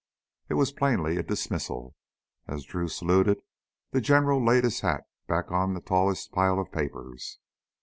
It was plainly a dismissal. As Drew saluted, the General laid his hat back on the tallest pile of papers.